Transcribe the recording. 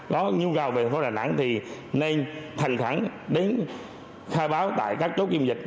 có nhu cầu về phố đà nẵng thì nên thành thẳng đến khai báo tại các chỗ kiêm dịch